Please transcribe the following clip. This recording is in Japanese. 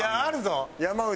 山内。